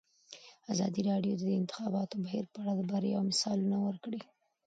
ازادي راډیو د د انتخاباتو بهیر په اړه د بریاوو مثالونه ورکړي.